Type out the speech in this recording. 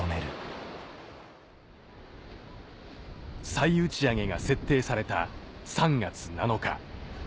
再打ち上げが設定された３月７日